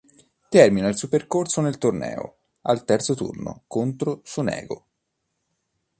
Termina il suo percorso nel torneo al terzo turno contro Sonego.